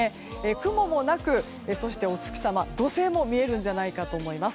雲もなくお月様、土星も見えるんじゃないかと思います。